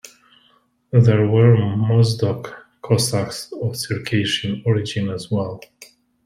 There were Mozdok Cossacks of Circassian origin as well.